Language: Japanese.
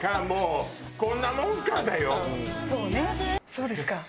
そうですか！